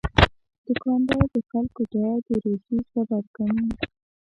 دوکاندار د خلکو دعا د روزي سبب ګڼي.